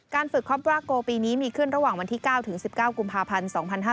การฝึกครอบครัวโกลปีนี้มีขึ้นระหว่างวันที่๙๑๙กุมภาพันธ์๒๕๕๙